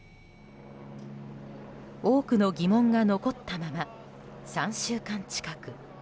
多くの疑問が残ったまま３週間近く。